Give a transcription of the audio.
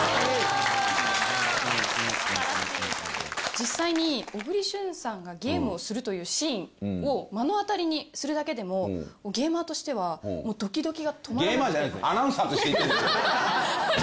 実際に小栗旬さんがゲームをするというシーンを目の当たりにするだけでもゲーマーじゃないです